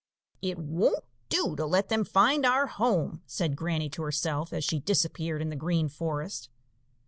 "It won't do to let them find our home," said Granny to herself, as she disappeared in the Green Forest.